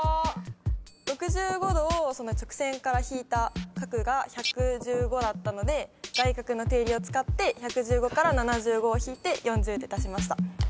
６５度を直線から引いた角が１１５だったので外角の定理を使って１１５から７５を引いて「４０」って出しました。